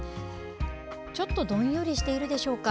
ちょっとどんよりしているでしょうか。